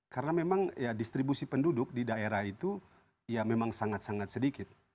karena memang distribusi penduduk di daerah itu ya memang sangat sangat sedikit